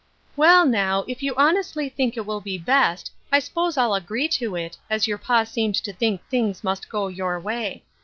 " Well, now, if you honestly think it will be best, I s'pose I'll agree to it, as your pa seemed to think things must go your way.